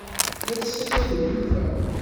La tessaggadem Yuba.